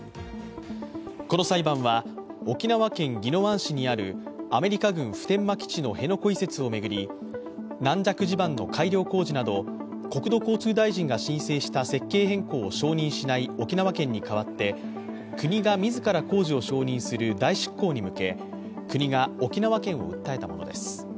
この裁判は、沖縄県宜野湾市にあるアメリカ軍普天間基地の辺野古移設を巡り、軟弱地盤の改良工事など国土交通大臣が申請した設計変更を承認しない沖縄県に代わって国が自ら工事を承認する代執行に向け、国が沖縄県を訴えたものです。